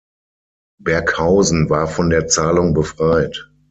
Berghausen war von der Zahlung befreit.